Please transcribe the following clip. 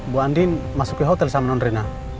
bu andin masuk ke hotel sama nonrena